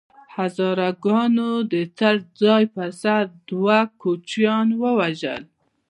هزاره ګانو د څړ ځای په سر دوه کوچیان وويشتل